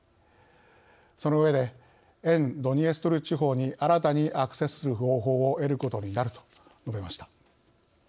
その上で「沿ドニエストル地方に新たにアクセスする方法を得ることになる」と述べました。